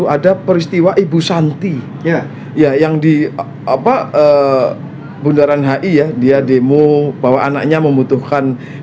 ada peristiwa ibu santi ya yang di apa bundaran hi ya dia demo bahwa anaknya membutuhkan